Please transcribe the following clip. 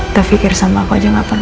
tepikir sama aku aja gak pernah